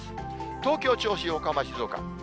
東京、銚子、横浜、静岡。